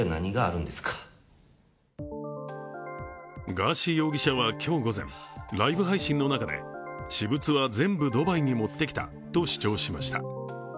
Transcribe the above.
ガーシー容疑者は今日午前、ライブ配信の中で私物は全部ドバイに持ってきたと主張しました。